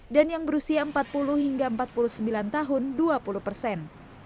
dan yang berusia empat puluh hingga empat puluh sembilan tahun dua puluh persen